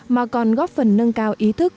mà còn góp phần nâng cao ý thức